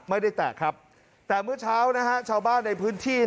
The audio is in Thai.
ไม่ได้แตกครับแต่เมื่อเช้านะฮะชาวบ้านในพื้นที่